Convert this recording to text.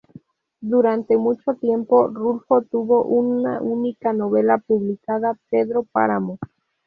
Durante mucho tiempo Rulfo tuvo una única novela publicada, "Pedro Páramo".